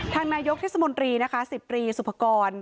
นายกเทศมนตรีนะคะ๑๐ตรีสุภกร